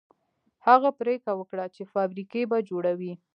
هغه پرېکړه وکړه چې فابريکې به جوړوي.